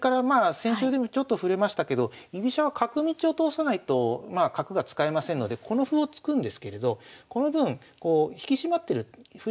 先週でもちょっと触れましたけど居飛車は角道を通さないとまあ角が使えませんのでこの歩を突くんですけれどこの分引き締まってる振り